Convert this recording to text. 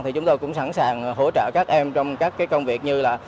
thì chúng tôi cũng sẵn sàng hỗ trợ các em trong các công việc như là